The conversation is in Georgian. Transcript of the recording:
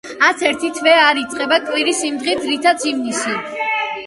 არც ერთი თვე არ იწყება კვირის იმ დღით, რითაც ივნისი.